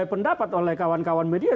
pendapat oleh kawan kawan media